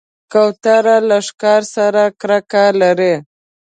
کوتره له ښکار سره کرکه لري.